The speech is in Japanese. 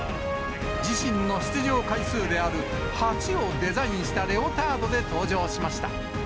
自身の出場回数である８をデザインしたレオタードで登場しました。